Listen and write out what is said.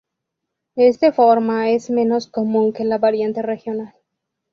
Este forma es menos común que la variante regional.